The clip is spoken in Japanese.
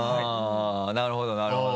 あぁなるほどなるほど。